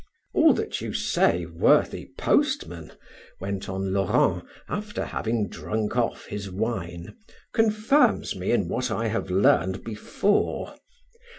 "All that you say, worthy postman," went on Laurent, after having drunk off his wine, "confirms me in what I have learned before.